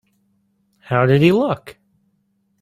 How did he look?